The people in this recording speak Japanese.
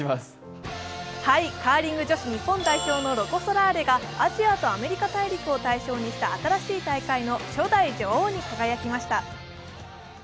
カーリング女子日本代表のロコ・ソラーレがアジアとアメリカ大陸を対象にした新しい大会の初代女王に輝きました。